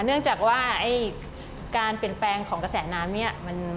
เนื่องจากว่าการเปลี่ยนแปลงของกระแสน้ำเนี่ย